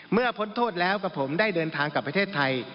พ้นโทษแล้วกับผมได้เดินทางกลับประเทศไทย